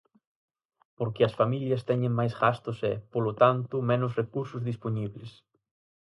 Porque as familias teñen máis gastos e, polo tanto, menos recursos dispoñibles.